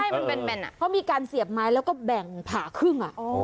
ใช่มันเพราะมีการเสียบไม้แล้วก็แบ่งผ่าครึ่ง